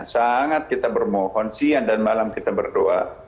sangat kita bermohon siang dan malam kita berdoa